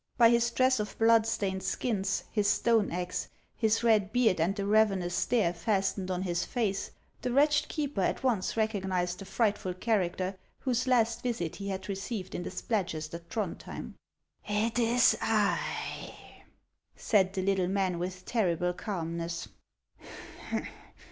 By his dress of blood stained skins, his stone axe, his red beard, and the ravenous stare fastened on his face, the wretched keeper at once recog nized the frightful character whose last visit he had received in the Spladgest at Throndhjem. " It is I !" said the little man, with terrible calm ness.